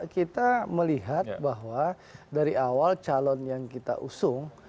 kita melihat bahwa dari awal calon yang kita usung